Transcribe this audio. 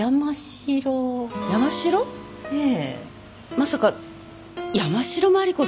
まさか山城麻里子さん。